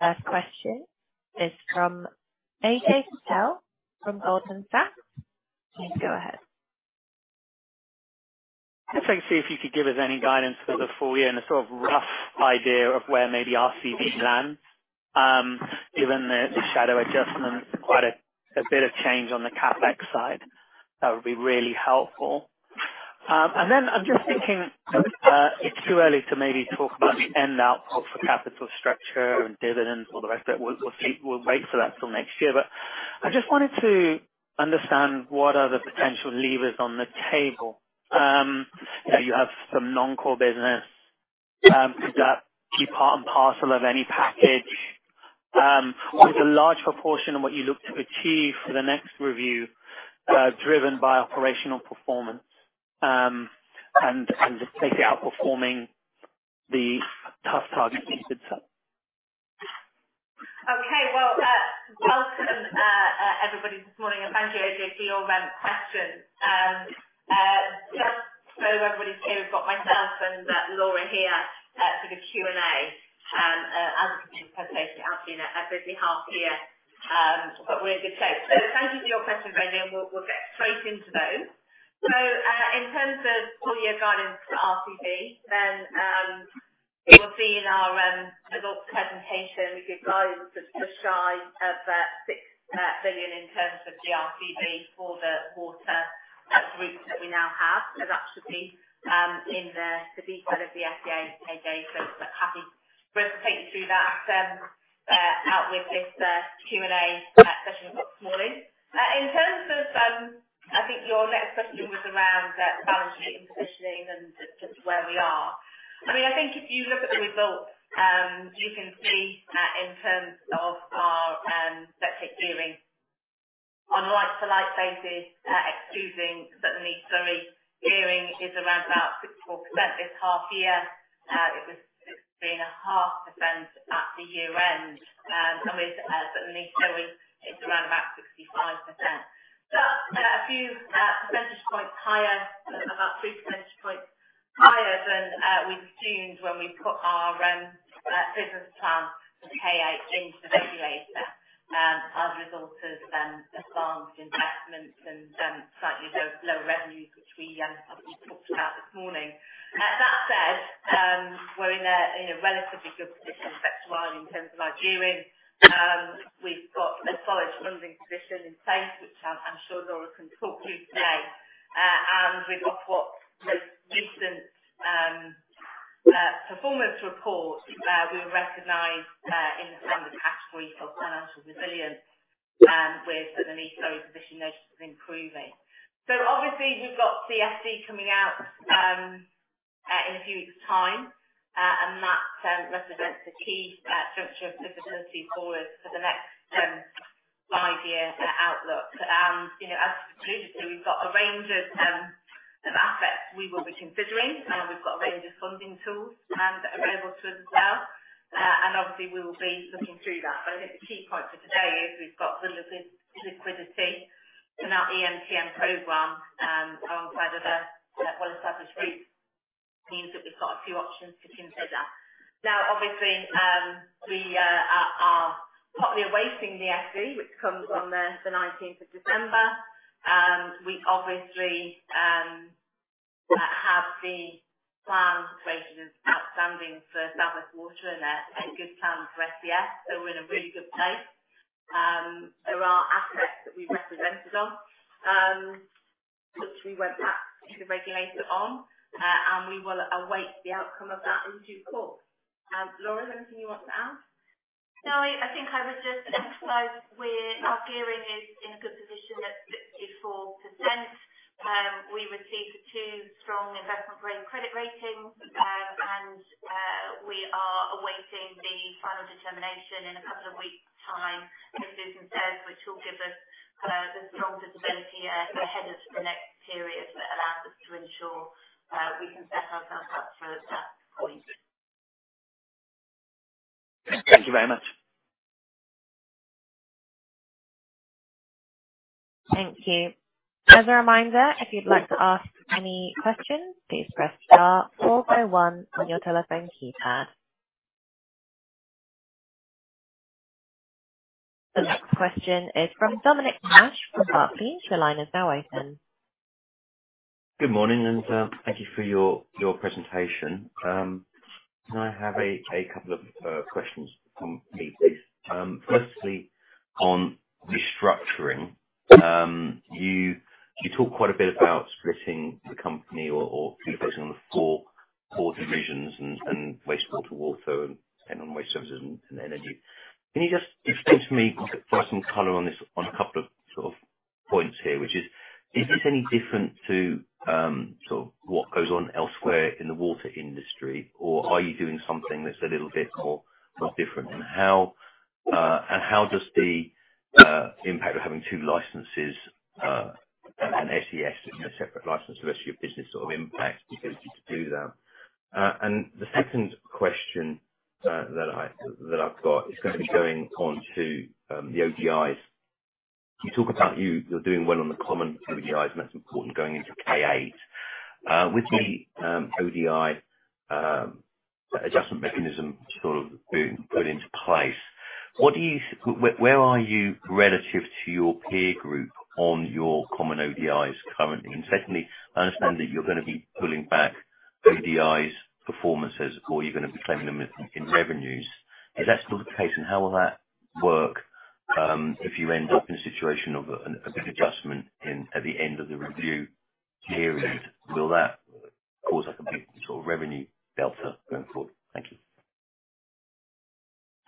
Last question is from Ajay Patel from Goldman Sachs. Please go ahead. Just trying to see if you could give us any guidance for the full year and a sort of rough idea of where maybe our RCV lands, given the shadow adjustments and quite a bit of change on the CapEx side. That would be really helpful, and then I'm just thinking it's too early to maybe talk about the end outlook for capital structure and dividends and all the rest of it. We'll wait for that till next year, but I just wanted to understand what are the potential levers on the table. You have some non-core business. Could that be part and parcel of any package? Was a large proportion of what you look to achieve for the next review driven by operational performance and basically outperforming the tough targets you had set? Okay. Well, welcome, everybody, this morning. And thank you, Ajay, for your questions. Just so everybody's clear, we've got myself and Laura here for the Q&A. As you can see, it's been a busy half year, but we're in good shape. So thank you for your questions, Ajay, and we'll get straight into those. So in terms of full-year guidance for our RCV, then it will be in our results presentation. We've given guidance that's just shy of 6 billion in terms of RCV for the water groups that we now have. And that should be in the detail of the SES data. But happy to take you through that out with this Q&A session we've got this morning. In terms of, I think your next question was around balance sheet and positioning and just where we are. I mean, I think if you look at the results, you can see in terms of our net debt gearing on a like-for-like basis, excluding SES, showing gearing is around about 64% this half year. It was 63.5% at the year-end. And with SES, it's around about 65%. But a few percentage points higher, about 3 percentage points higher than we assumed when we put our business plan for K8 into the regulator as a result of advanced investments and slightly lower revenues, which we talked about this morning. That said, we're in a relatively good position in terms of our gearing. We've got a solid funding position in place, which I'm sure Laura can talk to today. And we've got what was the recent performance report. We were recognized in the standard category for financial resilience, with SES positioning now improving. So obviously, we've got the FD coming out in a few weeks' time, and that represents a key juncture of visibility for us for the next five-year outlook. And as you've alluded to, we've got a range of assets we will be considering, and we've got a range of funding tools available to us as well. And obviously, we will be looking through that. But I think the key point for today is we've got the liquidity in our EMTN program alongside other well-established groups. It means that we've got a few options to consider. Now, obviously, we are partly awaiting the FD, which comes on the 19th of December. We obviously have the plan rated as outstanding for South West Water and a good plan for SES. So we're in a really good place. There are assets that we've represented on, which we went back to the regulator on, and we will await the outcome of that in due course. Laura, is there anything you want to add? No, I think I would just emphasize our gearing is in a good position at 64%. We received two strong investment-grade credit ratings, and we are awaiting the final determination in a couple of weeks' time for businesses, which will give us the strong visibility ahead of the next period that allows us to ensure we can set ourselves up for that point. Thank you very much. Thank you. As a reminder, if you'd like to ask any questions, please press star followed by one on your telephone keypad. The next question is from Dominic Nash from Barclays. Your line is now open. Good morning, and thank you for your presentation. Can I have a couple of questions from me, please? Firstly, on restructuring, you talk quite a bit about splitting the company or focusing on the four divisions and wastewater, water, and waste services and energy. Can you just explain to me, for some color on this, on a couple of sort of points here, which is, is this any different to sort of what goes on elsewhere in the water industry, or are you doing something that's a little bit more different? And how does the impact of having two licenses and SES in a separate license the rest of your business sort of impact to do that? And the second question that I've got is going to be going on to the ODIs. You talk about you're doing well on the common ODIs, and that's important going into K8. With the ODI adjustment mechanism sort of being put into place, where are you relative to your peer group on your common ODIs currently? And secondly, I understand that you're going to be pulling back ODIs performances, or you're going to be claiming them in revenues. Is that still the case, and how will that work if you end up in a situation of a big adjustment at the end of the review period? Will that cause a big sort of revenue delta going forward? Thank you.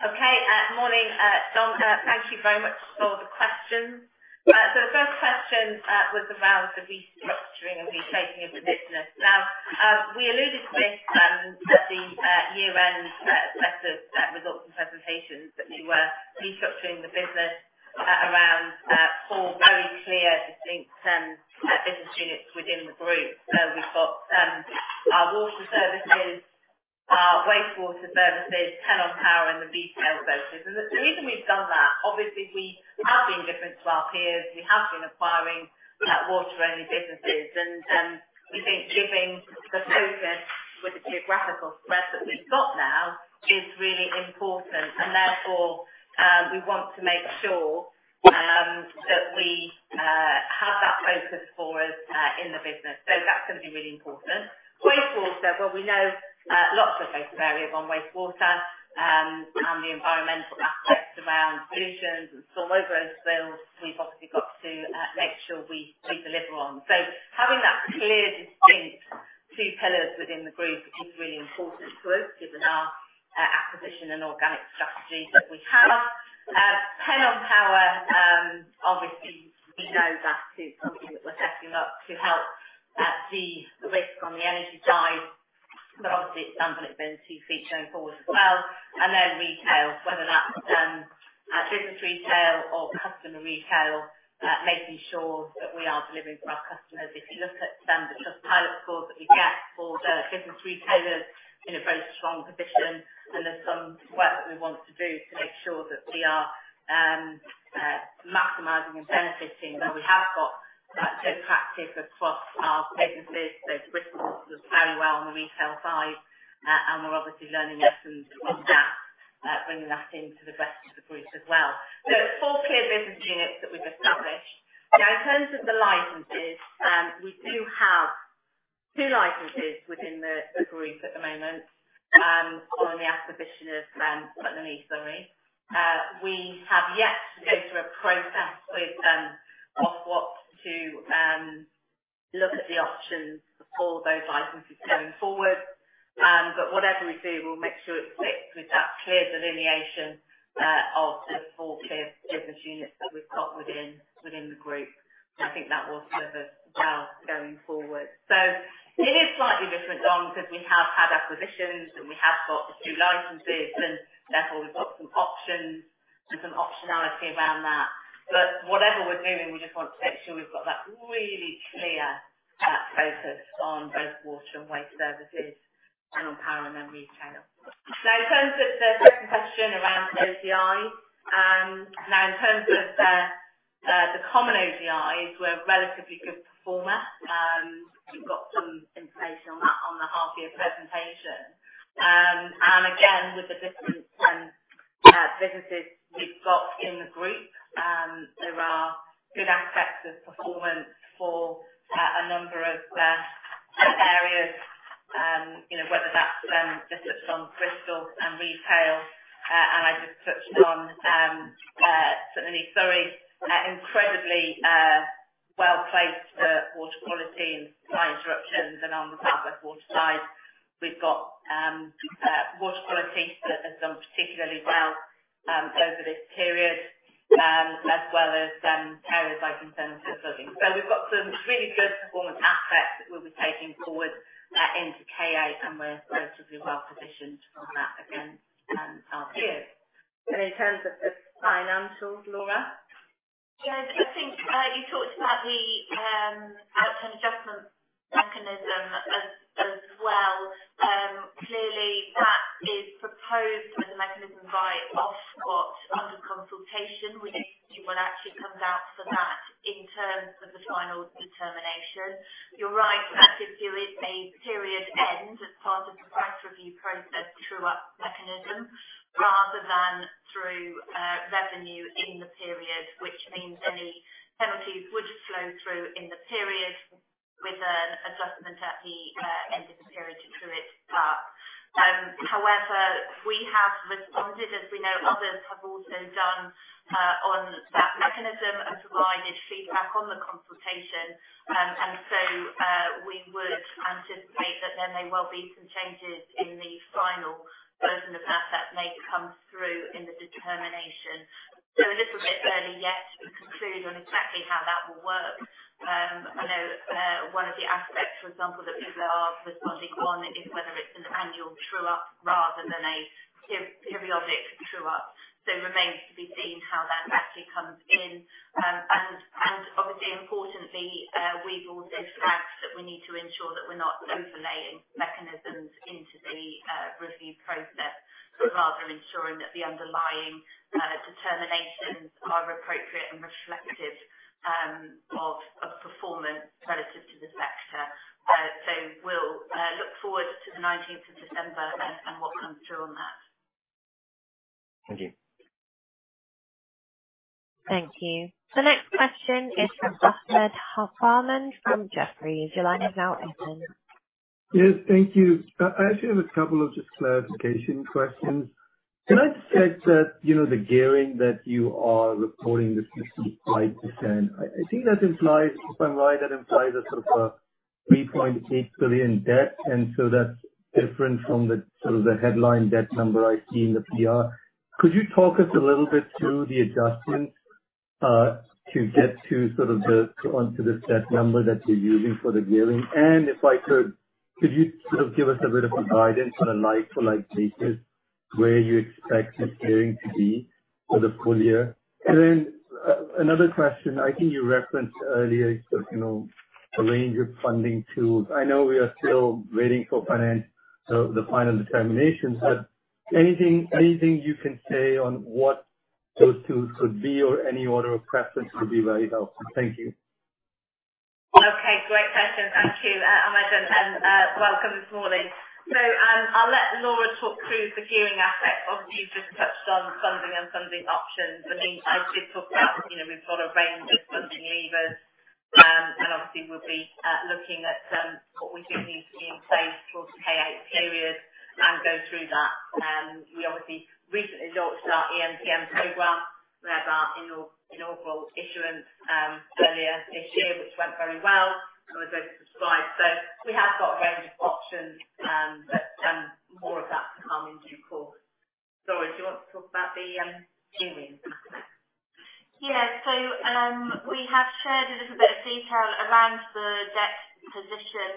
Okay. Morning, Dom. Thank you very much for all the questions, so the first question was around the restructuring and reshaping of the business. Now, we alluded to this at the year-end set of results and presentations that you were restructuring the business around four very clear, distinct business units within the group, so we've got our water services, our wastewater services, Pennon Power, and the retail services. And the reason we've done that, obviously, we have been different to our peers. We have been acquiring water-only businesses, and we think giving the focus with the geographical spread that we've got now is really important, and therefore, we want to make sure that we have that focus for us in the business, so that's going to be really important. Wastewater, well, we know lots of data variable on wastewater and the environmental aspects around pollution and storm overflows. We've obviously got to make sure we deliver on, so having that clear, distinct two pillars within the group is really important to us, given our acquisition and organic strategy that we have. Pennon Power, obviously, we know that is something that we're setting up to hedge the risk on the energy side, but obviously, it's done well and it's been a feat going forward as well, and then retail, whether that's business retail or customer retail, making sure that we are delivering for our customers. If you look at the Trustpilot scores that we get for the business retailers, we're in a very strong position, and there's some work that we want to do to make sure that we are maximizing and benefiting. We have got good practice across our businesses. The risk scores look very well on the retail side, and we're obviously learning lessons from that, bringing that into the rest of the group as well. So four clear business units that we've established. Now, in terms of the licenses, we do have two licenses within the group at the moment on the acquisition of SES Water. We have yet to go through a process of what to look at the options for those licenses going forward. But whatever we do, we'll make sure it fits with that clear delineation of the four clear business units that we've got within the group. I think that will serve us well going forward. So it is slightly different, Dom, because we have had acquisitions, and we have got the two licenses, and therefore, we've got some options and some optionality around that. But whatever we're doing, we just want to make sure we've got that really clear focus on both water and waste services and on power and then retail. Now, in terms of the second question around ODIs, now, in terms of the common ODIs, we're a relatively good performer. We've got some information on that on the half-year presentation. And again, with the different businesses we've got in the group, there are good aspects of performance for a number of areas, whether that's the switch on Bristol and retail. And I just touched on SES Water. Sorry, incredibly well-placed for water quality and supply interruptions. And on the South West Water side, we've got water quality that has done particularly well over this period, as well as areas like internal flooding. So we've got some really good performance aspects that we'll be taking forward into K8, and we're relatively well-positioned on that again in our peers. In terms of the financials, Laura? Yeah. I think you talked about the outcome adjustment mechanism as well. Clearly, that is proposed as a mechanism by Ofwat under consultation, which is what actually comes out for that in terms of the final determination. You're right, that's a period end as part of the price review process through a mechanism rather than through revenue in the period, which means any penalties would flow through in the period with an adjustment at the end of the period to true it up. However, we have responded, as we know others have also done on that mechanism and provided feedback on the consultation. And so we would anticipate that there may well be some changes in the final version of that that may come through in the determination. It is a little bit early yet to conclude on exactly how that will work. I know one of the aspects, for example, that people are responding on is whether it's an annual true-up rather than a periodic true-up. So it remains to be seen how that actually comes in. And obviously, importantly, we've also flagged that we need to ensure that we're not overlaying mechanisms into the review process, rather ensuring that the underlying determinations are appropriate and reflective of performance relative to the sector. So we'll look forward to the 19th of December and what comes through on that. Thank you. Thank you. The next question is from Ahmed Farman from Jefferies. Your line is now open. Yes, thank you. I actually have a couple of just clarification questions. Can I just check that the gearing that you are reporting this is 5%? I think that implies, if I'm right, that implies a sort of 3.8 billion debt, and so that's different from the sort of the headline debt number I see in the PR. Could you talk us a little bit through the adjustments to get to sort of the onto this debt number that you're using for the gearing? And if I could, could you sort of give us a bit of guidance on a likewise basis where you expect this gearing to be for the full year? And then another question, I think you referenced earlier a range of funding tools. I know we are still waiting for the final determinations, but anything you can say on what those tools could be or any order of preference would be very helpful. Thank you. Okay. Great question. Thank you, Ahmed, and welcome this morning. So I'll let Laura talk through the gearing aspect. Obviously, you've just touched on funding and funding options. I mean, I did talk about we've got a range of funding levers, and obviously, we'll be looking at what we think needs to be in place for the K8 period and go through that. We obviously recently launched our EMTN program. Our inaugural issuance earlier this year, which went very well. It was oversubscribed. So we have got a range of options, but more of that to come in due course. Laura, do you want to talk about the gearing aspect? Yeah, so we have shared a little bit of detail around the debt position,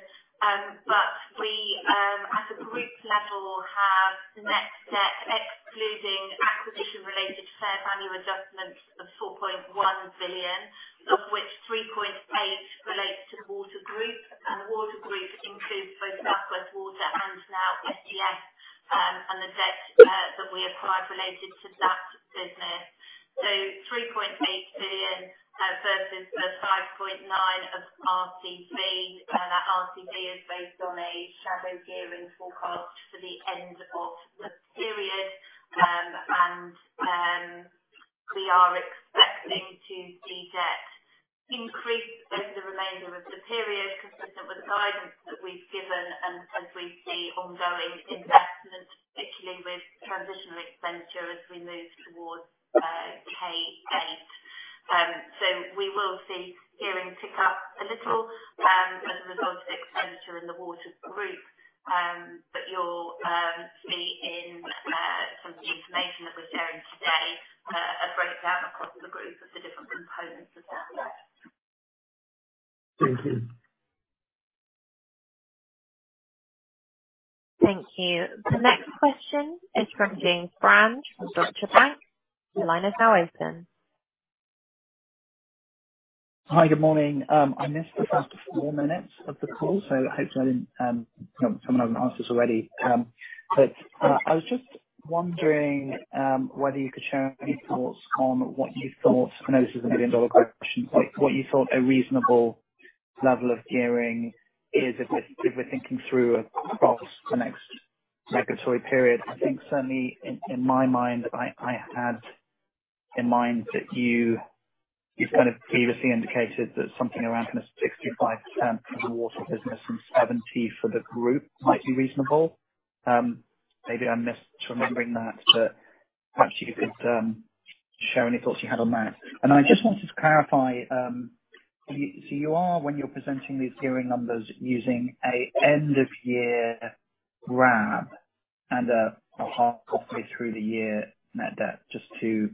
but we, at the group level, have net debt excluding acquisition-related fair value adjustments of 4.1 billion, of which 3.8 relates to the water group, and the water group includes both South West Water and now SES and the debt that we acquired related to that business, so 3.8 billion versus the 5.9 of RCV. That RCV is based on a shadow gearing forecast for the end of the period, and we are expecting to see debt increase over the remainder of the period, consistent with the guidance that we've given and as we see ongoing investment, particularly with transitional expenditure as we move towards K8. We will see gearing pick up a little as a result of expenditure in the water group, but you'll see in some of the information that we're sharing today a breakdown across the group of the different components of that. Thank you. Thank you. The next question is from James Brand from Deutsche Bank. Your line is now open. Hi, good morning. I missed the first four minutes of the call, so hopefully, someone hasn't asked us already. But I was just wondering whether you could share any thoughts on what you thought, I know this is a million-dollar question, but what you thought a reasonable level of gearing is if we're thinking through across the next regulatory period. I think, certainly, in my mind, I had in mind that you've kind of previously indicated that something around kind of 65% for the water business and 70% for the group might be reasonable. Maybe I missed remembering that, but perhaps you could share any thoughts you had on that. And I just wanted to clarify. So you are, when you're presenting these gearing numbers, using an end-of-year RAB and a halfway-through-the-year net debt, just to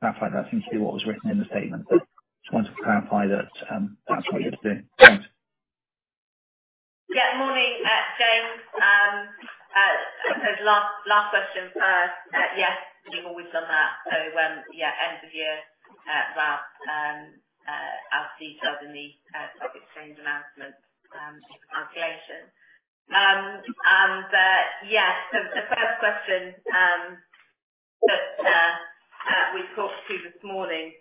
clarify that seems to be what was written in the statement. Just wanted to clarify that that's what you're doing. Thanks. Yeah. Morning, James. Last question first. Yes, we've always done that. So yeah, end-of-year RAB as detailed in the stock exchange announcement calculation. And yeah, so the first question that we talked to this morning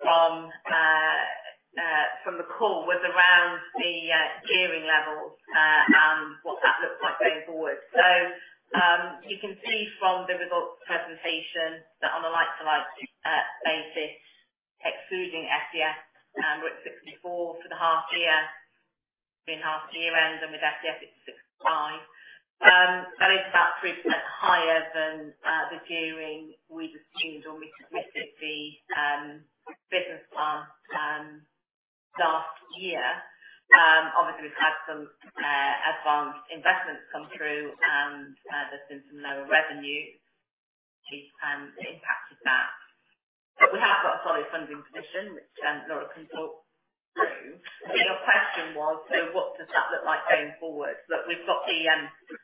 from the call was around the gearing levels and what that looks like going forward. So you can see from the results presentation that on a like-for-like basis, excluding SES, we're at 64 for the half-year, being half-year end, and with SES, it's 65. That is about 3% higher than the gearing we'd assumed or we submitted the business plan last year. Obviously, we've had some advanced investments come through, and there's been some lower revenue, which has impacted that. But we have got a solid funding position, which Laura can talk through. But your question was, so what does that look like going forward? Look, we've got the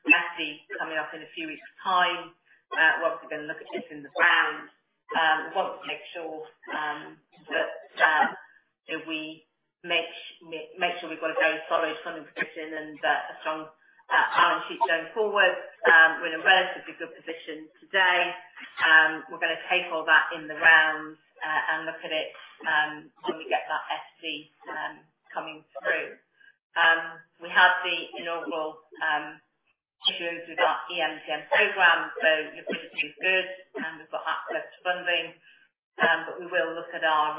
FD coming up in a few weeks' time. We're obviously going to look at this in the round. We want to make sure that we make sure we've got a very solid funding position and a strong balance sheet going forward. We're in a relatively good position today. We're going to take all that in the round and look at it when we get that FD coming through. We had the inaugural issues with our EMTN program, so liquidity is good, and we've got access to funding. But we will look at our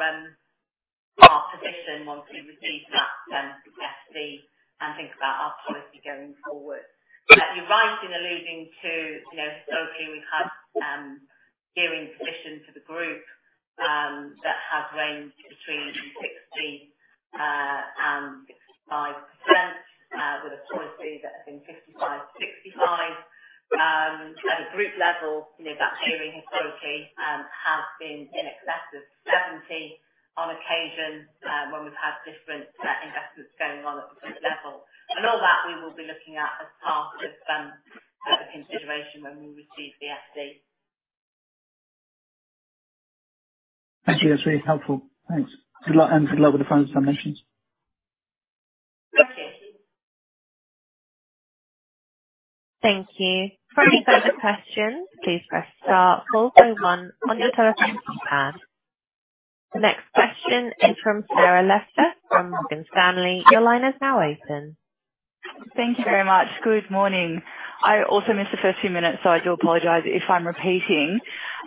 position once we receive that FD and think about our policy going forward. You're right in alluding to, historically, we've had gearing position for the group that has ranged between 60% and 65%, with a policy that has been 55%-65%. At a group level, that gearing historically has been in excess of 70% on occasion when we've had different investments going on at different levels, and all that, we will be looking at as part of the consideration when we receive the FD. Thank you. That's really helpful. Thanks. Good luck with the final determinations. Thank you. Thank you. For any further questions, please press star followed by one on your telephone keypad. The next question is from Sarah Lester from Morgan Stanley. Your line is now open. Thank you very much. Good morning. I also missed the first few minutes, so I do apologize if I'm repeating.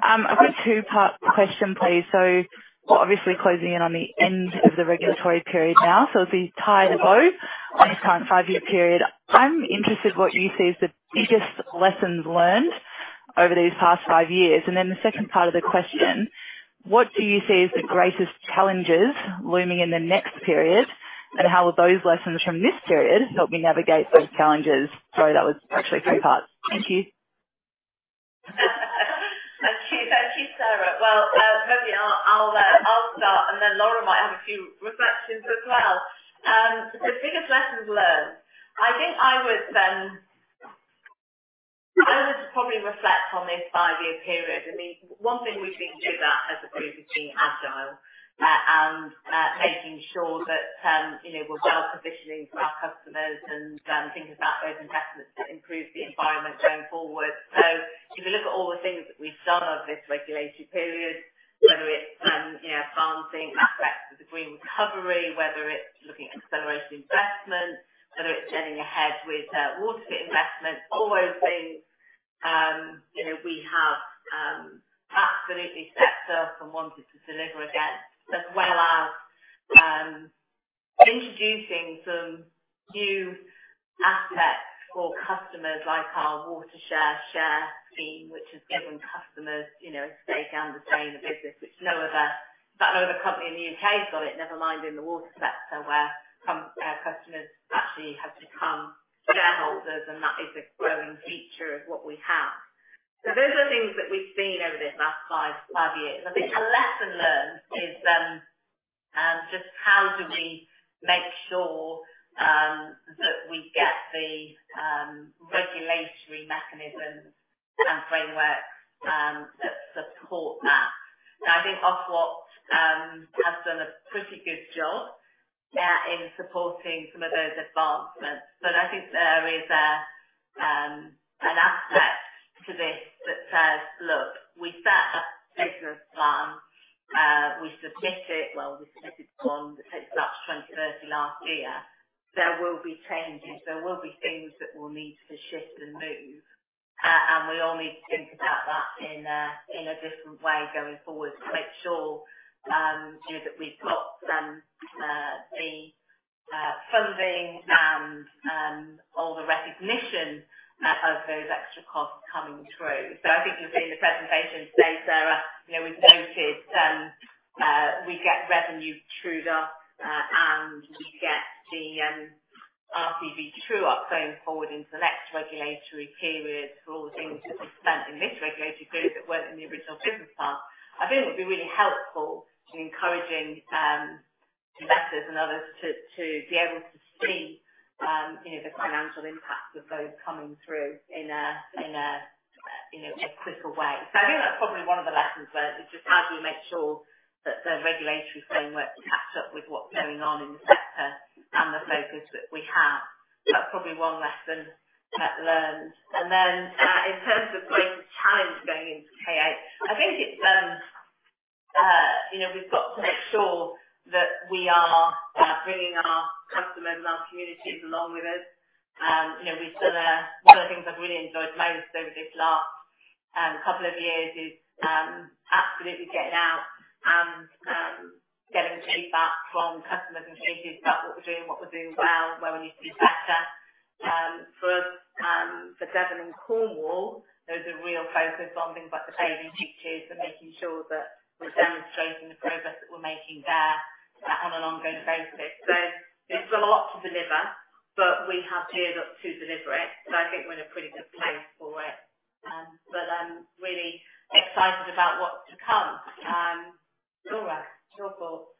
I've got a two-part question, please. So we're obviously closing in on the end of the regulatory period now, so it'll be tied above on this current five-year period. I'm interested in what you see as the biggest lessons learned over these past five years. And then the second part of the question, what do you see as the greatest challenges looming in the next period, and how will those lessons from this period help you navigate those challenges? Sorry, that was actually three parts. Thank you. Thank you. Thank you, Sarah. Well, maybe I'll start, and then Laura might have a few reflections as well. The biggest lessons learned, I think I would probably reflect on this five-year period. I mean, one thing we've been good at as a group is being agile and making sure that we're well-positioning our customers and thinking about those investments to improve the environment going forward. So if you look at all the things that we've done over this regulatory period, whether it's financing aspects of the Green Recovery, whether it's looking at acceleration investments, whether it's getting ahead with WaterFit investments, all those things we have absolutely stepped up and wanted to deliver against, as well as introducing some new aspects for customers like our WaterShare scheme, which has given customers a stake and a say in the business, which no other company in the U.K., has got it, never mind in the water sector, where customers actually have become shareholders, and that is a growing feature of what we have. So those are things that we've seen over these last five years. I think a lesson learned is just how do we make sure that we get the regulatory mechanisms and frameworks that support that. Now, I think Ofwat has done a pretty good job in supporting some of those advancements, but I think there is an aspect to this that says, "Look, we set a business plan. We submit it." Well, we submitted one that takes place in 2030 last year. There will be changes. There will be things that will need to shift and move, and we all need to think about that in a different way going forward to make sure that we've got the funding and all the recognition of those extra costs coming through. So I think you've seen the presentation today, Sarah. We've noted we get revenue true-up, and we get the RCV true-up going forward into the next regulatory period for all the things that we spent in this regulatory period that weren't in the original business plan. I think it would be really helpful in encouraging investors and others to be able to see the financial impact of those coming through in a quicker way. So I think that's probably one of the lessons learned. It's just how do we make sure that the regulatory framework is kept up with what's going on in the sector and the focus that we have. That's probably one lesson learned. And then in terms of greatest challenge going into K8, I think it's we've got to make sure that we are bringing our customers and our communities along with us. One of the things I've really enjoyed most over this last couple of years is absolutely getting out and getting feedback from customers and communities about what we're doing, what we're doing well, where we need to be better. For us, for Devon and Cornwall, there's a real focus on things like the bathing beaches and making sure that we're demonstrating the progress that we're making there on an ongoing basis. So there's a lot to deliver, but we have geared up to deliver it. So I think we're in a pretty good place for it. But I'm really excited about what's to come. Laura, your thoughts?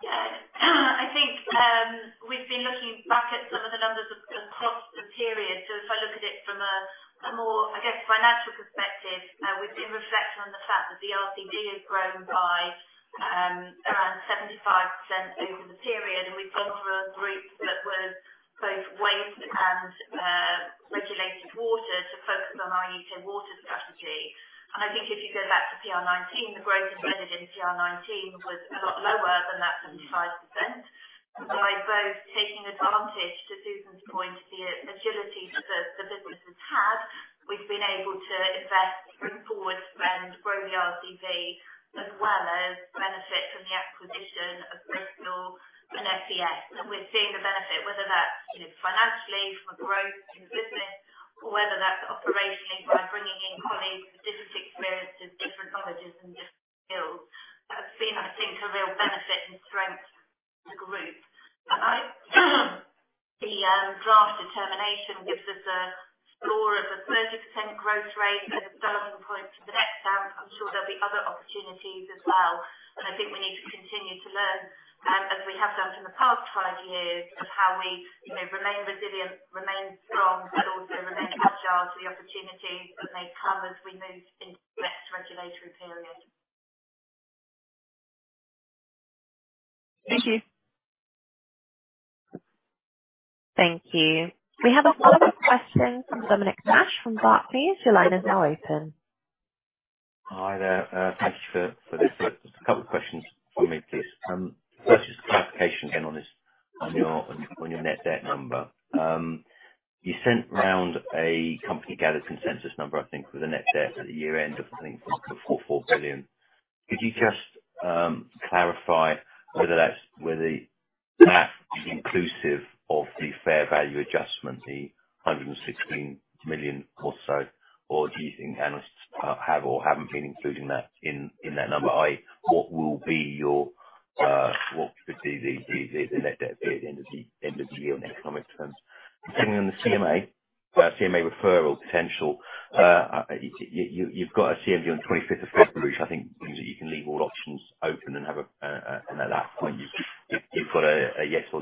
Yeah. I think we've been looking back at some of the numbers across the period. So if I look at it from a more, I guess, financial perspective, we've been reflecting on the fact that the RCV has grown by around 75% over the period, and we've gone through a group that was both waste and regulated water to focus on our U.K., water strategy. I think if you go back to PR19, the growth embedded in PR19 was a lot lower than that 75%. By both taking advantage, to Susan's point, of the agility that the business has had, we've been able to invest, bring forward spend, grow the RCV, as well as benefit from the acquisition of Bristol and SES. We're seeing the benefit, whether that's financially from a growth in the business or whether that's operationally by bringing in colleagues with different experiences, different knowledges, and different skills. That's been, I think, a real benefit and strength to the group. The draft determination gives us a score of a 30% growth rate as a starting point for the next round. I'm sure there'll be other opportunities as well. I think we need to continue to learn, as we have done for the past five years, of how we remain resilient, remain strong, but also remain agile to the opportunities that may come as we move into the next regulatory period. Thank you. Thank you. We have a follow-up question from Dominic Nash from Barclays. Your line is now open. Hi there. Thank you for this. Just a couple of questions for me, please. First, just a clarification again on your net debt number. You sent round a company gathered consensus number, I think, for the net debt at the year end of, I think, 4.4 billion. Could you just clarify whether that's inclusive of the fair value adjustment, the 116 million or so, or do you think analysts have or haven't been including that in that number? What will be your—what could be the net debt at the end of the year in economic terms? Depending on the CMA, CMA referral potential, you've got a CMA on the 25th of February, which I think means that you can leave all options open and have a and at that point, you've got a yes or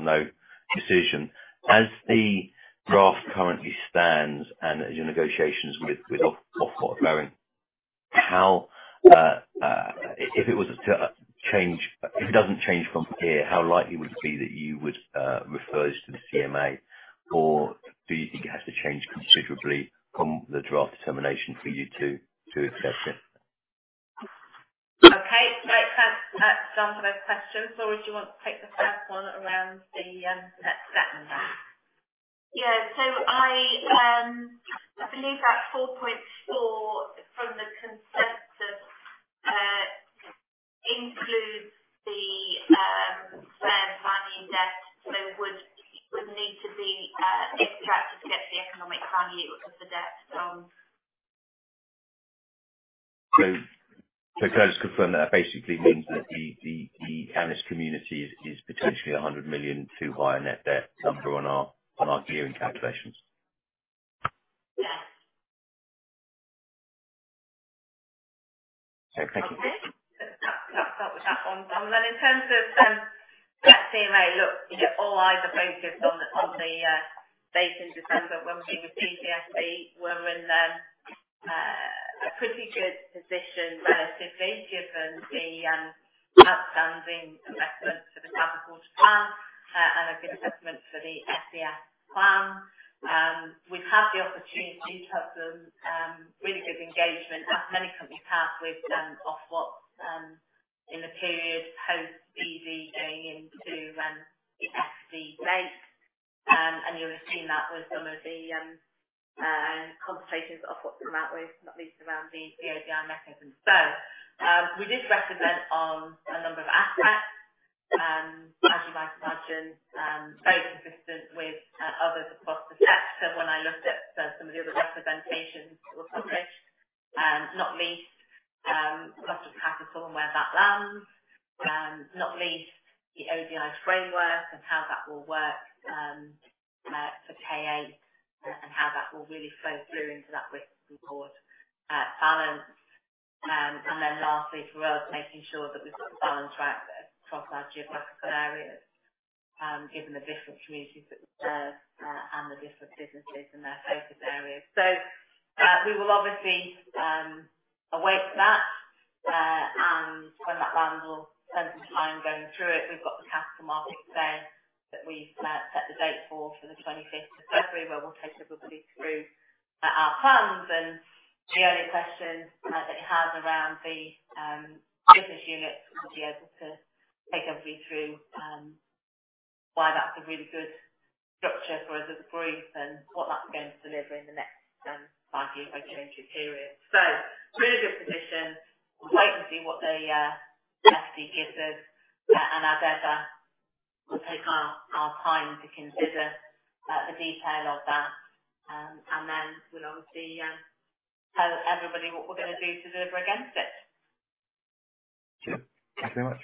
no decision. As the draft currently stands and as your negotiations with Ofwat are going, if it was to change, if it doesn't change from here, how likely would it be that you would refer this to the CMA, or do you think it has to change considerably from the draft determination for you to accept it? Okay. Great to have John for those questions. Laura, do you want to take the first one around the net debt number? Yeah, so I believe that 4.4 from the consensus includes the fair value debt, so it would need to be extracted to get the economic value of the debt from. So to just confirm that, that basically means that the analyst community is potentially 100 million too high a net debt number on our gearing calculations? Yes. Okay. Thank you. I think that's helped out with that one. And then in terms of that CMA, look, all eyes are focused on the late in December when we received the FD. We're in a pretty good position relatively given the outstanding investments for the capital plan and a good investment for the SEF plan. We've had the opportunity to have some really good engagement, as many companies have, with Ofwat in the period post-DD going into the FD date. And you'll have seen that with some of the consultations that Ofwat's come out with, not least around the ODI mechanism. So we did respond on a number of aspects, as you might imagine, very consistent with others across the sector when I looked at some of the other representations that were published, not least cost of capital and where that lands, not least the ODI framework and how that will work for K8 and how that will really flow through into that risk-reward balance. And then lastly, for us, making sure that we've got the balance right across our geographical areas, given the different communities that we serve and the different businesses and their focus areas. So we will obviously await that. And when that lands, we'll spend some time going through it. We've got the Capital Markets Day that we've set the date for the 25th of February, where we'll take everybody through our plans. And the only question that you had around the business units would be able to take everybody through why that's a really good structure for us as a group and what that's going to deliver in the next five-year regulatory period. So we're in a good position. We'll wait and see what the FD gives us, and as ever, we'll take our time to consider the detail of that. And then we'll obviously tell everybody what we're going to do to deliver against it. Yeah. Thank you very much.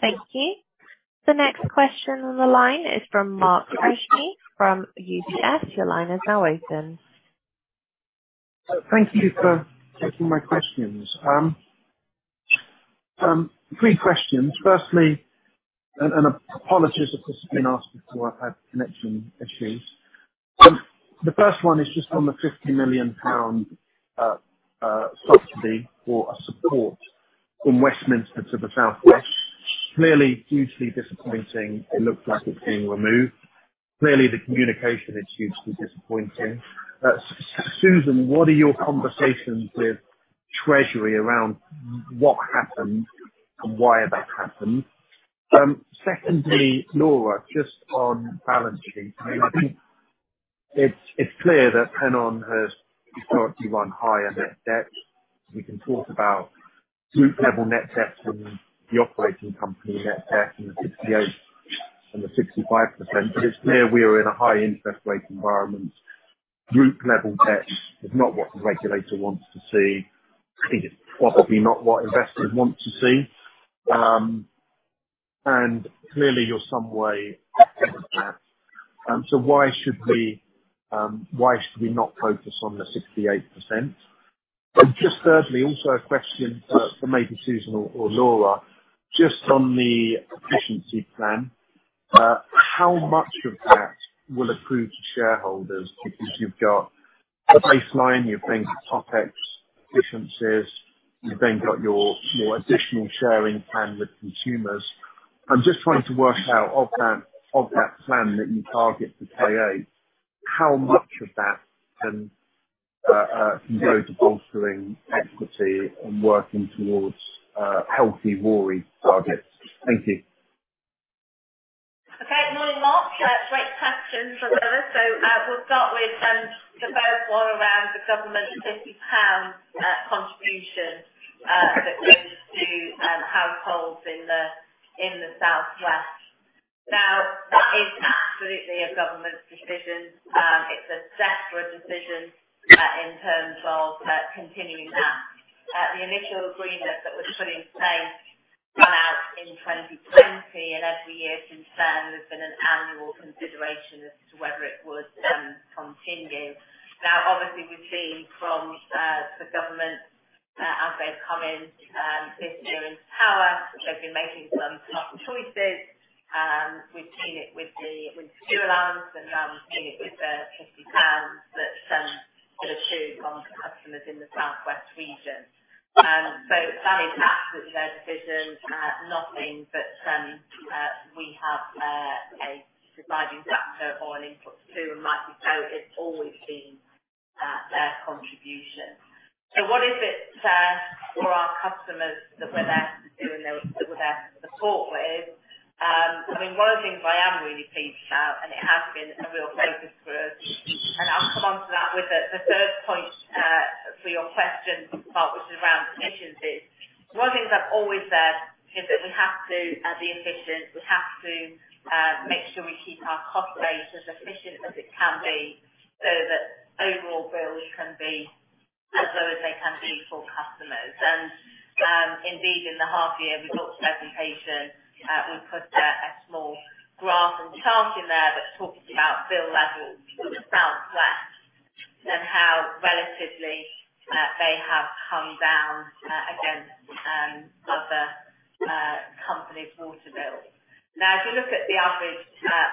Thank you. The next question on the line is from Mark Freshney from UBS. Your line is now open. Thank you for taking my questions. Three questions. First, and apologies, of course, I've been asked before I've had connection issues. The first one is just on the 50 million pound subsidy for a support from Westminster to the South West. Clearly, hugely disappointing. It looks like it's being removed. Clearly, the communication is hugely disappointing. Susan, what are your conversations with Treasury around what happened and why that happened? Second, Laura, just on balance sheet, I mean, I think it's clear that Pennon has historically run higher net debt. We can talk about group-level net debt and the operating company net debt and the 68% and the 65%, but it's clear we're in a high-interest rate environment. Group-level debt is not what the regulator wants to see. I think it's probably not what investors want to see, and clearly, you're some way ahead of that. So why should we not focus on the 68%? And just thirdly, also a question for maybe Susan or Laura, just on the efficiency plan, how much of that will accrue to shareholders because you've got the baseline, you've then got Totex efficiencies, you've then got your additional sharing plan with consumers? I'm just trying to work out of that plan that you target for K8, how much of that can go to bolstering equity and working towards healthy RoRE targets? Thank you. Okay. Good morning, Mark. Great questions from others. So we'll start with the first one around the government GBP 50 contribution that goes to households in the South West. Now, that is absolutely a government decision. It's a discretionary decision in terms of continuing that. The initial agreement that was put in place ran out in 2020, and every year since then there's been an annual consideration as to whether it would continue. Now, obviously, we've seen from the government as they've come in this year into power, they've been making some tough choices. We've seen it with the winter fuel allowance, and we've seen it with the GBP 50 that it accrues on customers in the South West region. So that is absolutely their decision. Nothing that we have a deciding factor or an input to, and likely so it's always been their contribution. So what is it for our customers that we're there to do and that we're there to support with? I mean, one of the things I am really pleased about, and it has been a real focus for us, and I'll come on to that with the third point for your question to start, which is around efficiencies. One of the things I've always said is that we have to be efficient. We have to make sure we keep our cost base as efficient as it can be so that overall bills can be as low as they can be for customers. And indeed, in the half-year results presentation, we put a small graph and chart in there that talks about bill levels in the South West and how relatively they have come down against other companies' water bills. Now, if you look at the average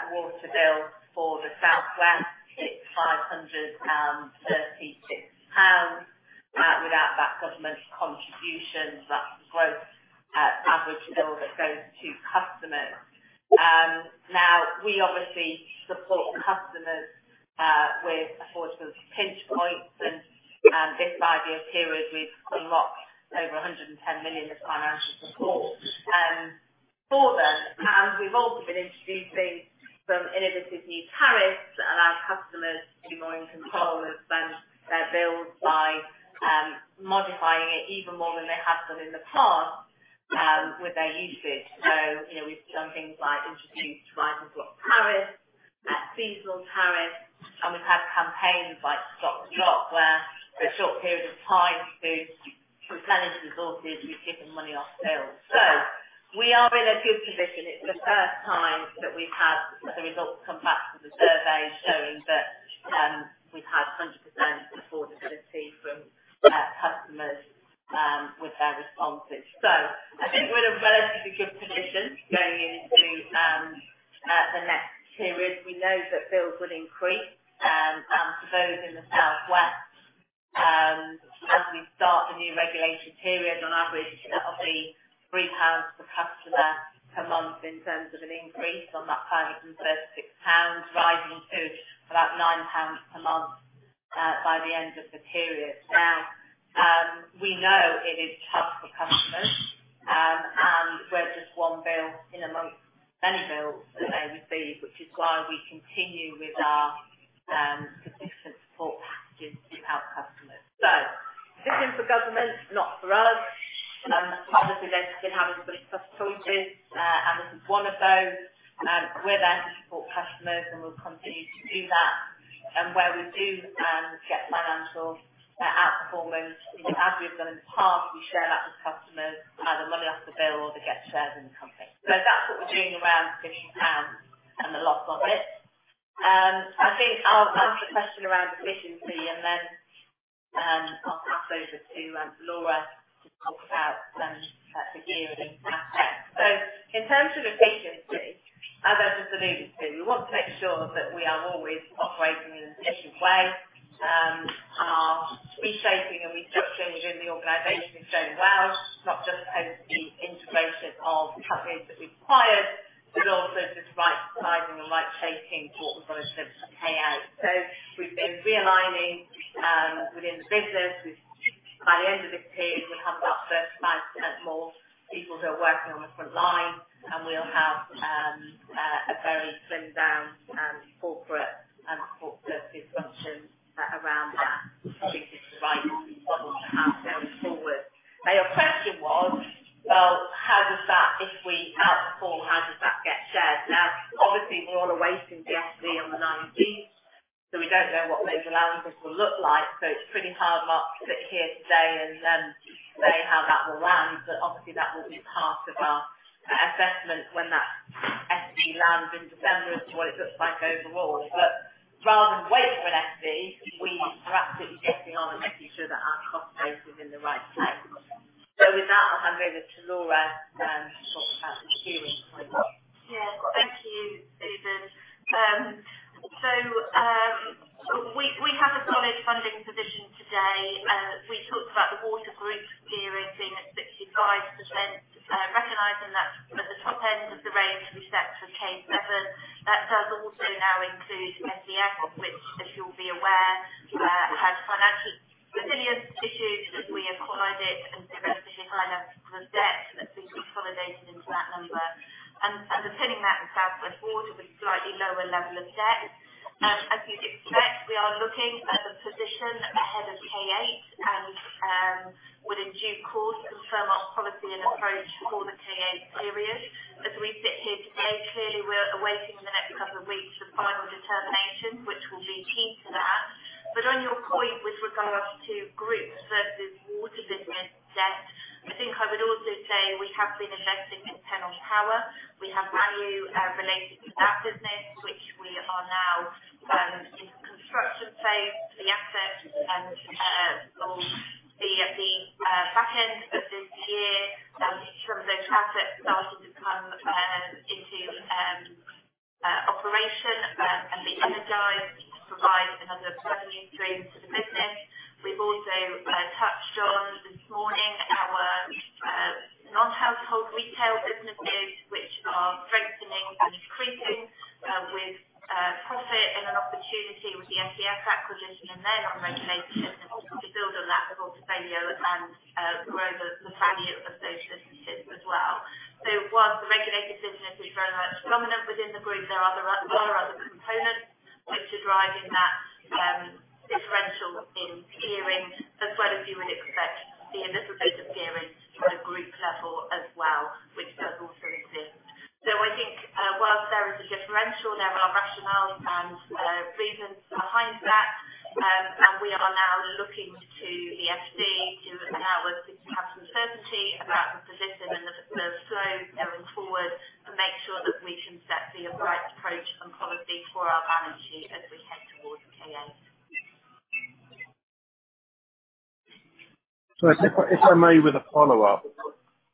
water bill for the South West, it's 536 pounds without that government contribution. That's the gross average bill that goes to customers. Now, we obviously support customers with affordable pinch points, and this five-year period, we've unlocked over 110 million of financial support for them. And we've also been introducing some innovative new tariffs that allow customers to be more in control of their bills by modifying it even more than they have done in the past with their usage. So we've done things like introduced rising block tariffs, seasonal tariffs, and we've had campaigns like Stop the Drop where for a short period of time to manage resources, we've given money off bills. So we are in a good position. It's the first time that we've had the results come back from the survey showing that we've had 100% affordability from customers with their responses, so I think we're in a relatively good position going into the next period. We know that bills will increase, and for those in the South West, as we start the new regulation period, on average, that'll be 3 pounds per customer per month in terms of an increase on that 536 pounds, rising to about 9 pounds per month by the end of the period. Now, we know it is tough for customers, and we're just one bill in amongst many bills that they receive, which is why we continue with our subsistence support packages to help customers, so decision for government, not for us. Obviously, they've been having some tough choices, and this is one of those. We're there to support customers, and we'll continue to do that. Where we do get financial outperformance, as we've done in the past, we share that with customers, either money off the bill or they get shares in the company. That's what we're doing around GBP 50 and the loss on it. I think I'll ask the question around efficiency, and then I'll pass over to Laura to talk about the gearing aspect. In terms of efficiency, as I've just alluded to, we want to make sure that we are always operating in an efficient way. Our reshaping and restructuring within the organization is going well, not just post the integration of companies that we've acquired, but also just right sizing and right shaping for what we've got to pay out. We've been realigning within the business. By the end of this period, we'll have about 35% more people who are working on the front line, and we'll have a very slimmed-down corporate support service structure around that. I think it's the right model to have going forward. Now, your question was, well, how does that, if we outperform, how does that get shared? Now, obviously, we're all awaiting the FD on the 19th, so we don't know what those allowances will look like. So it's pretty hard to sit here today and say how that will land. But obviously, that will be part of our assessment when that FD lands in December as to what it looks like overall. But rather than wait for an FD, we are absolutely getting on and making sure that our cost base is in the right place. So with that, I'll hand over to Laura to talk about the gearing point. Yeah. Thank you, Susan. So we have a solid funding position today. We talked about the water group gearing being at 65%, recognizing that at the top end of the range we set for K7, that does also now include SES, which, as you'll be aware, had financial resilience issues as we acquired it, and there's a significant amount of debt that's been consolidated into that number. And the Pennon that in South West Water with a slightly lower level of debt. As you'd expect, we are looking at a position ahead of K8 and would, in due course, confirm our policy and approach for the K8 period. As we sit here today, clearly, we're awaiting the next couple of weeks for final determinations, which will be key to that. But on your point with regards to groups versus water business debt, I think I would also say we have been investing for Pennon Power. We have value related to that business, which we are now in the construction phase. The assets will be at the back end of this year. Some of those assets started to come into operation and be energized to provide another revenue stream to the business. We've also touched on this morning our non-household retail businesses, which are strengthening and increasing with profit and an opportunity with the SES acquisition and then on regulated businesses to build on that portfolio and grow the value of those businesses as well. While the regulated business is very much dominant within the group, there are other components which are driving that differential in gearing, as well as you would expect to see a little bit of gearing on a group level as well, which does also exist. I think whilst there is a differential, there are rationales and reasons behind that. We are now looking to the FD to allow us to have some certainty about the position and the flow going forward to make sure that we can set the right approach and policy for our balance sheet as we head towards K8. So if I may, with a follow-up,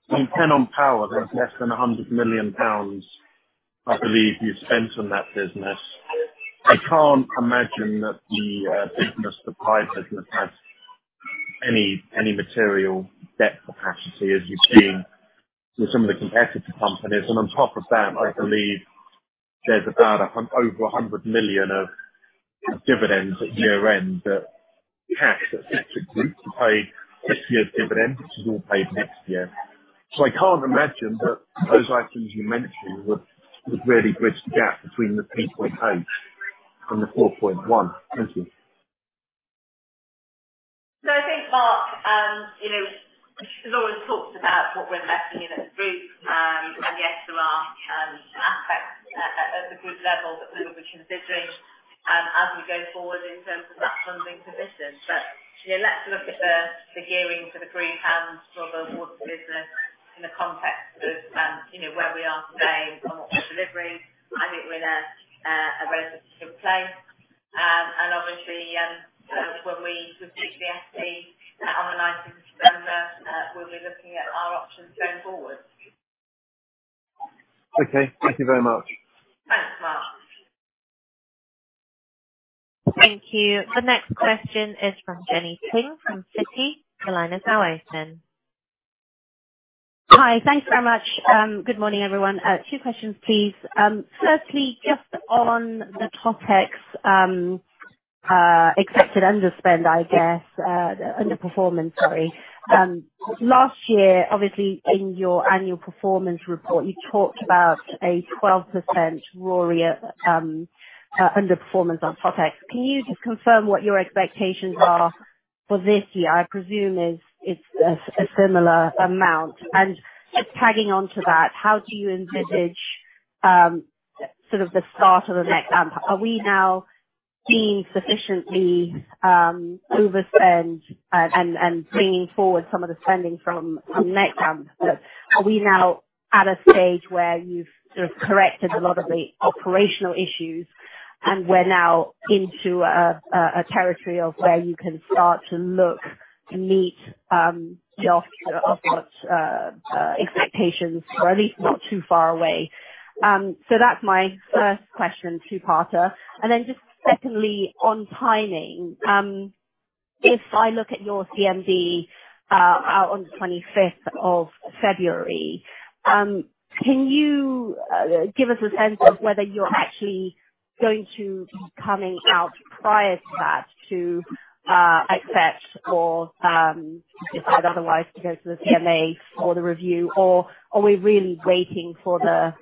I mean, Pennon Power has less than 100 million pounds, I believe, you've spent on that business. I can't imagine that the business, the private business, has any material debt capacity, as you've seen with some of the competitor companies. And on top of that, I believe there's about over 100 million of dividends at year-end that SES, that sector group, has paid this year's dividends, which is all paid next year. So I can't imagine that those items you mentioned would really bridge the gap between the 3.8 and the 4.1. Thank you. So I think, Mark, we've always talked about what we're investing in as a group. And yes, there are aspects at the group level that we will be considering as we go forward in terms of that funding position. But let's look at the gearing for the group and for the water business in the context of where we are today and what we're delivering. I think we're in a relatively good place. And obviously, when we reach the FD on the 19th of September, we'll be looking at our options going forward. Okay. Thank you very much. Thanks, Mark. Thank you. The next question is from Jenny Ping from Citi. The line is now open. Hi. Thanks very much. Good morning, everyone. Two questions, please. Firstly, just on the Totex expected underspend, I guess, underperformance, sorry. Last year, obviously, in your annual performance report, you talked about a 12% RoRE underperformance on Totex. Can you just confirm what your expectations are for this year? I presume it's a similar amount. And just tagging onto that, how do you envisage sort of the start of the next? Are we now being sufficiently overspend and bringing forward some of the spending from K8? Are we now at a stage where you've sort of corrected a lot of the operational issues and we're now into a territory of where you can start to look to meet your expectations, or at least not too far away? So that's my first question, Sarah Lester. And then just secondly, on timing, if I look at your CMD out on the 25th of February, can you give us a sense of whether you're actually going to be coming out prior to that to accept or decide otherwise to go to the CMA for the review? Or are we really waiting for the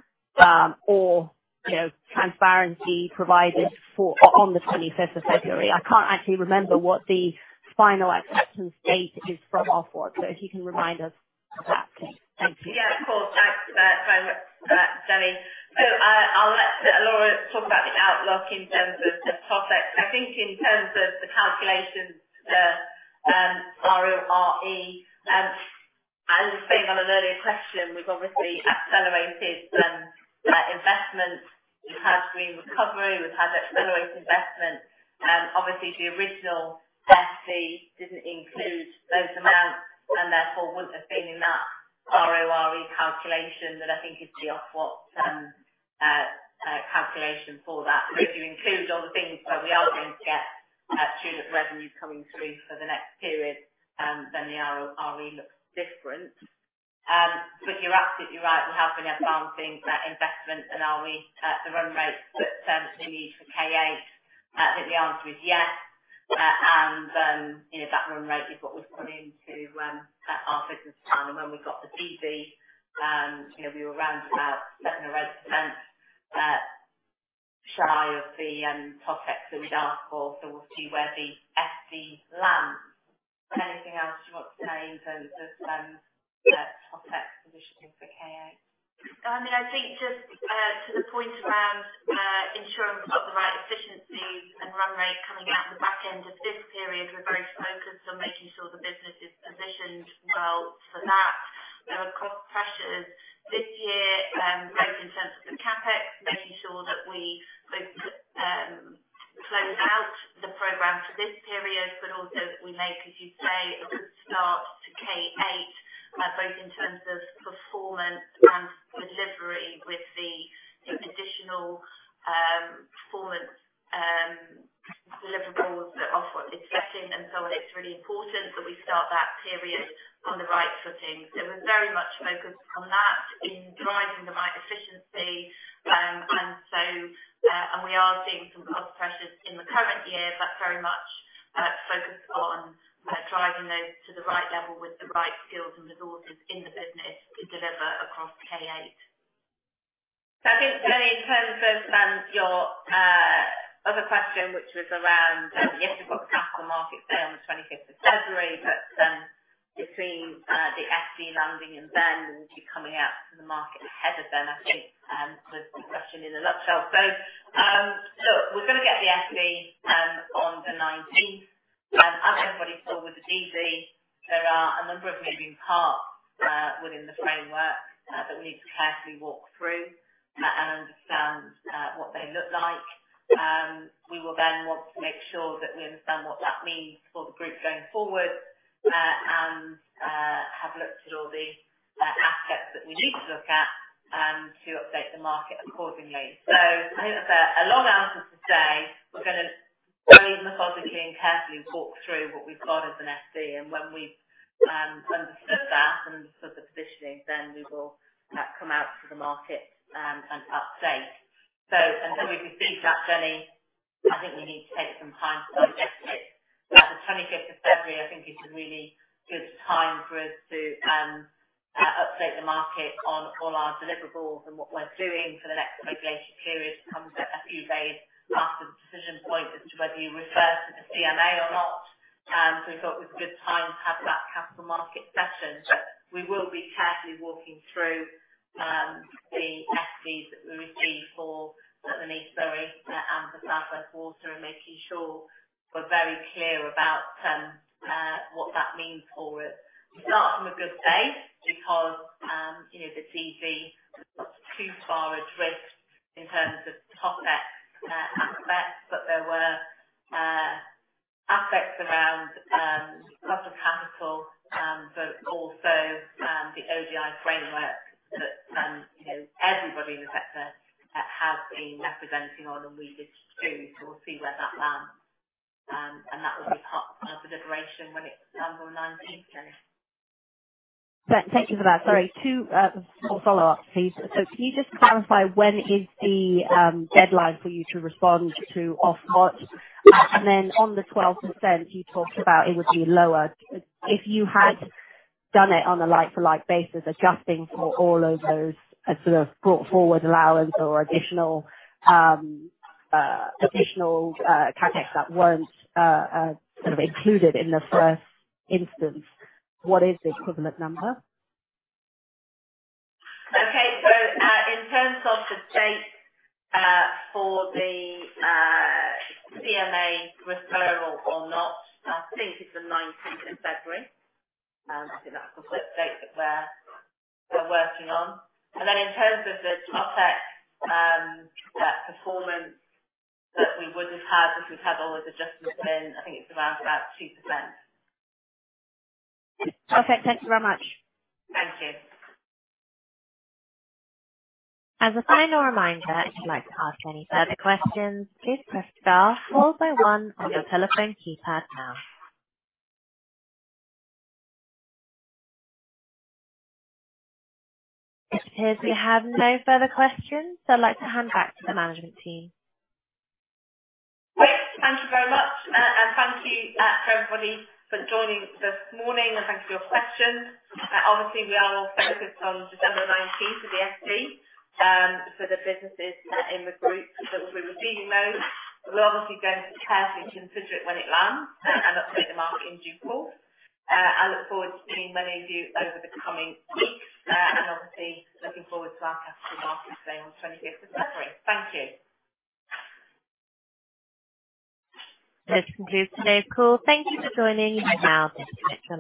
transparency provided on the 25th of February? I can't actually remember what the final acceptance date is from Ofwat. So if you can remind us of that, please. Thank you. Yeah, of course. Thanks, Jenny, so I'll let Laura talk about the outlook in terms of the Totex. I think in terms of the calculations, the RORE, as was saying on an earlier question, we've obviously accelerated investment. We've had Green Recovery. We've had accelerated investment. Obviously, the original FD didn't include those amounts and therefore wouldn't have been in that RORE calculation that I think is the Ofwat calculation for that. So if you include all the things that we are going to get through that revenue coming through for the next period, then the RORE looks different, but you're absolutely right. We have been advancing investment and RORE at the run rate that we need for K8. I think the answer is yes, and that run rate is what we've put into our business plan. When we got the DB, we were around about 7% or 8% shy of the Totex that we'd asked for. So we'll see where the FD lands. Anything else you want to say in terms of Totex positioning for K8? I mean, I think just to the point around ensuring we've got the right efficiencies and run rate coming out the back end of this period, we're very focused on making sure the business is positioned well for that. There are cost pressures this year, both in terms of the CapEx, making sure that we both close out the program for this period, but also that we make, as you say, a good start to K8, both in terms of performance and delivery with the additional performance deliverables that Ofwat is setting. And so it's really important that we start that period on the right footing. So we're very much focused on that in driving the right efficiency. We are seeing some cost pressures in the current year, but very much focused on driving those to the right level with the right skills and resources in the business to deliver across K8. So, I think, Jenny, in terms of your other question, which was around, yes, we've got our Capital Markets Day on the 25th of February, but between the FD landing and then and you coming out to the market ahead of then, I think was the question in a nutshell. So, look, we're going to get the FD on the 19th. As everybody saw with the DB, there are a number of moving parts within the framework that we need to carefully walk through and understand what they look like. We will then want to make sure that we understand what that means for the group going forward and have looked at all the assets that we need to look at to update the market accordingly. So, I think that's a long answer to say. We're going to very methodically and carefully walk through what we've got as an FD. And when we've understood that and understood the positioning, then we will come out to the market and update. So until we've received that, Jenny, I think we need to take some time to digest it. The 25th of February, I think, is a really good time for us to update the market on all our deliverables and what we're doing for the next regulation period. It comes a few days after the decision point as to whether you refer to the CMA or not. So we thought it was a good time to have that capital market session. But we will be carefully walking through the FDs that we receive for the Bristol Water and the South West Water and making sure we're very clear about what that means for us. We start from a good base because the DB was too far adrift in terms of Totex aspects. But there were aspects around capital, but also the ODI framework that everybody in the sector has been representing on, and we did too to see where that lands. And that will be part of our deliberation when it comes on the 19th, Jenny. Thank you for that. Sorry. Two small follow-ups, please. So can you just clarify when is the deadline for you to respond to Ofwat? And then on the 12%, you talked about it would be lower. If you had done it on a like-for-like basis, adjusting for all of those sort of brought forward allowance or additional CapEx that weren't sort of included in the first instance, what is the equivalent number? Okay. So in terms of the date for the CMA referral or not, I think it's the 19th of February. I think that's the date that we're working on. And then in terms of the Totex performance that we would have had if we'd had all those adjustments in, I think it's around about 2%. Perfect. Thank you very much. Thank you. As a final reminder, if you'd like to ask any further questions, please press star followed by one on your telephone keypad now. It appears we have no further questions. So I'd like to hand back to the management team. Great. Thank you very much. And thank you to everybody for joining this morning. And thank you for your questions. Obviously, we are all focused on December 19th of the FD for the businesses in the group that will be receiving those. We're obviously going to carefully consider it when it lands and update the market in due course. I look forward to seeing many of you over the coming weeks. And obviously, looking forward to our Capital Markets Day on the 25th of February. Thank you. This concludes today's call. Thank you for joining. Now, this connection.